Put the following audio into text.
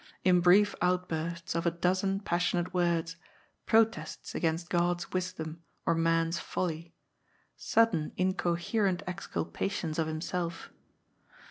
In brief outbursts of a dozen passionate words, protests against God's wisdom or man's folly, sudden, incoherent exculpa tions of himself.